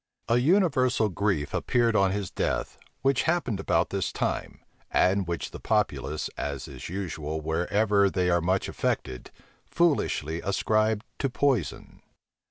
A universal grief appeared on his death, which happened about this time, and which the populace, as is usual wherever they are much affected, foolishly ascribed to poison.